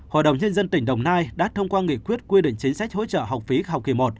hội đồng nhân dân tỉnh đồng nai đã thông qua nghị quyết quy định chính sách hỗ trợ học phí học kỳ một